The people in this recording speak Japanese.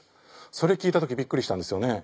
それ聞いた時びっくりしたんですよね。